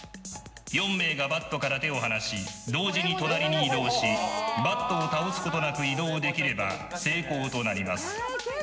４名がバットから手を離し同時に隣に移動しバットを倒すことなく移動できれば、成功となります。